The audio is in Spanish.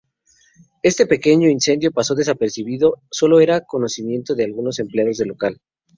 Este pequeño incendio pasó desapercibido, sólo era conocimiento de algunos empleados del local.